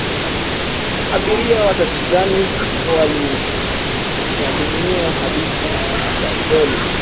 abiria wa titanic walisimulia hadithi za kweli